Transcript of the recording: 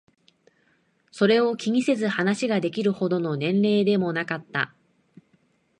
それを気にせず話ができるほどの年齢でもなかった。